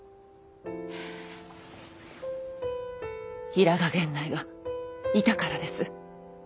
平賀源内がいたからです。